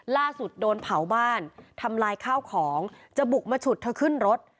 ล่าสุดโดนเผาบ้านทำลายข้าวของจะบุกมาฉุดเธอขึ้นรถ